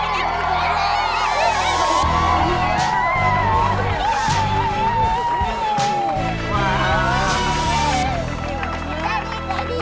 ตรงนี้ไงพี่อ้อย